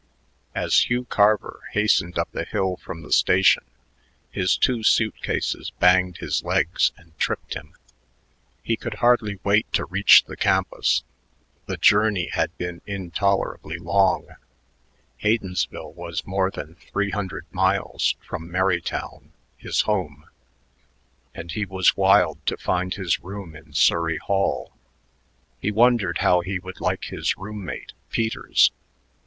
As Hugh Carver hastened up the hill from the station, his two suit cases banged his legs and tripped him. He could hardly wait to reach the campus. The journey had been intolerably long Haydensville was more than three hundred miles from Merrytown, his home and he was wild to find his room in Surrey Hall. He wondered how he would like his room mate, Peters....